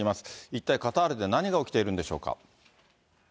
一体、カタールで何が起きているんでしょうか。